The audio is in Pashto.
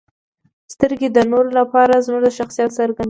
• سترګې د نورو لپاره زموږ د شخصیت څرګندوي.